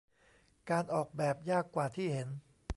การออกแบบยากกว่าที่เห็น